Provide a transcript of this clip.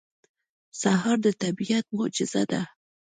سهار د طبیعت معجزه ده.